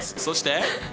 そして。